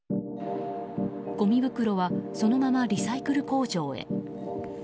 ごみ袋はそのままリサイクル工場へ。